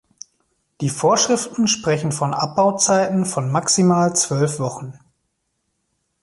Die Vorschriften sprechen von Abbauzeiten von maximal zwölf Wochen.